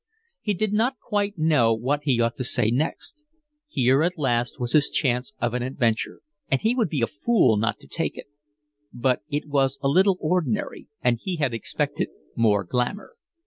He did not quite know what he ought to say next. Here at last was his chance of an adventure, and he would be a fool not to take it; but it was a little ordinary, and he had expected more glamour.